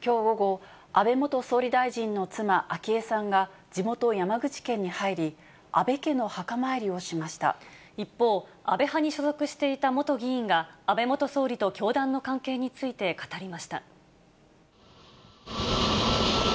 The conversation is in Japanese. きょう午後、安倍元総理大臣の妻、昭恵さんが、地元、山口県に入り、一方、安倍派に所属していた元議員が、安倍元総理と教団の関係について語りました。